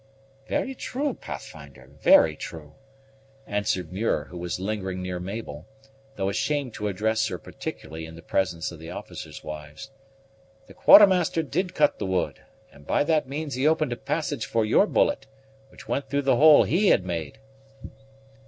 "Very true, Pathfinder, very true," answered Muir, who was lingering near Mabel, though ashamed to address her particularly in the presence of the officers' wives. "The Quartermaster did cut the wood, and by that means he opened a passage for your bullet, which went through the hole he had made."